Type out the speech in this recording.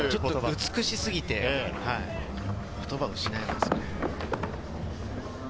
美しすぎて言葉を失います。